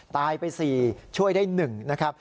ตายไป๔ช่วยได้๑นะครับ